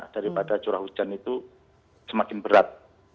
daripada curah hujan itu semakin berat